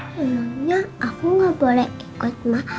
emangnya aku gak boleh ikut ma